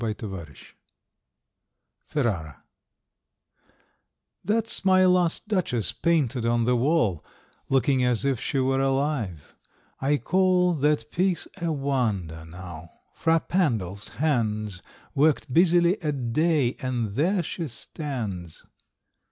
MY LAST DUCHESS Ferrara That's my last Duchess painted on the wall, Looking as if she were alive. I call That piece a wonder, now: Fra Pandolf's hands Worked busily a day, and there she stands.